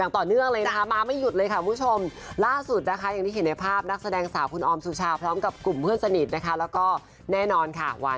เพื่อส่งมอบกำลังใจไปให้ค่ะ